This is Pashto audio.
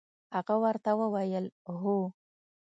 هغه ورته وویل: هو.